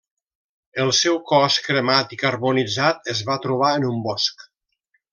El seu cos cremat i carbonitzat es va trobar en un bosc.